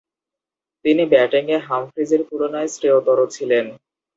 তিনি ব্যাটিংয়ে হামফ্রিসের তুলনায় শ্রেয়তর ছিলেন।